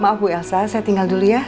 maaf bu elsa saya tinggal dulu ya